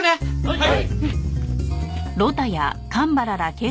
はい！